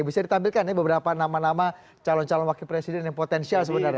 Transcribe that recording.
bisa ditampilkan ya beberapa nama nama calon calon wakil presiden yang potensial sebenarnya